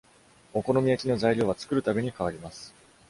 お好み焼きの材料は作るたびに変わります